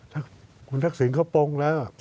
ว่าคุณทักศิลป์เขาโปร่งแล้ว